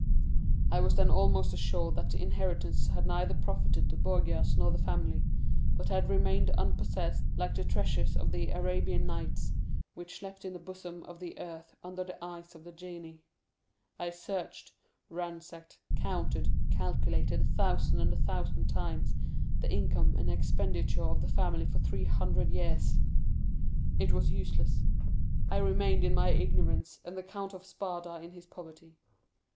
"I was then almost assured that the inheritance had neither profited the Borgias nor the family, but had remained unpossessed like the treasures of the Arabian Nights, which slept in the bosom of the earth under the eyes of the genie. I searched, ransacked, counted, calculated a thousand and a thousand times the income and expenditure of the family for three hundred years. It was useless. I remained in my ignorance, and the Count of Spada in his poverty.